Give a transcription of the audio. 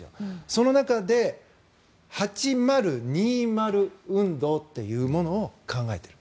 その中で８０２０運動というものを考えている。